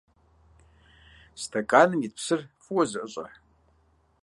Стэканым ит псыр фӀыуэ зэӀыщӀэ.